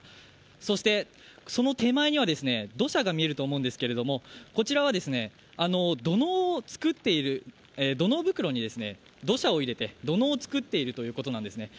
そして、その手前には土砂が見えると思うんですがこちらは土のうを作っている、土のう袋に土砂を入れて土のうを作っているということなんですね。